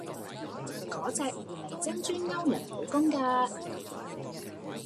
個隻狐狸精專勾人老公架